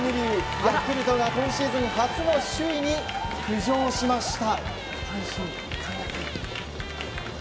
ヤクルトが今シーズン初の首位に浮上しました。